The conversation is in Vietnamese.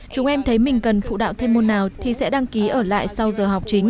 chúng em thấy mình cần phụ đạo thêm môn nào thì sẽ đăng ký ở lại sau giờ học chính